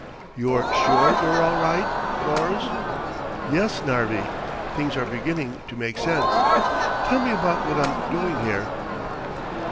"You're sure you're all right, Lors?" "Yes, Narvi. Things are beginning to make sense. Tell me about what I'm doing here."